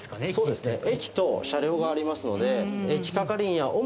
そうですね。